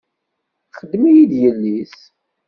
Iqeddem-iyi-d yelli-s.